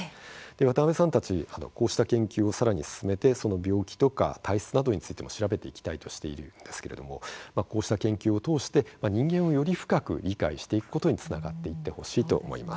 渡部さんたちこうした研究をさらに進めて病気とか体質などについても調べていきたいとしているんですけれどもこうした研究を通して、人間をより深く理解していくことにつながっていってほしいと思います。